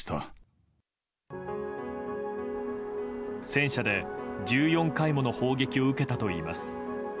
戦車で１４回もの砲撃を受けたといいます。